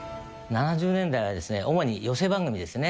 ７０年代は主に寄席番組ですね。